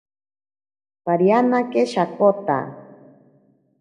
Parianake shakota.